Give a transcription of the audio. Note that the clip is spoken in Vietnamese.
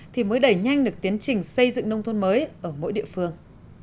thì mới đẩy nhanh được tiến trình xây dựng nông thôn mới ở mỗi địa phương